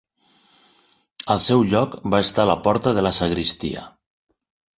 Al seu lloc va estar la porta de la sagristia.